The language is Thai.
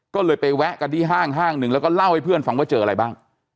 ก็เลยไปแวะกันที่ห้างห้างหนึ่งแล้วก็เล่าให้เพื่อนฟังว่าเจออะไรบ้าง